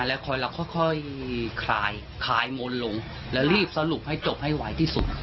แล้วค่อยคลายมนต์ลงแล้วรีบสรุปให้จบให้ไหวที่สุด